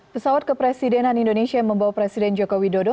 pesawat kepresidenan indonesia yang membawa presiden joko widodo